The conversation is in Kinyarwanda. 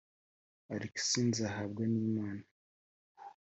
Alex Nzahabwanimana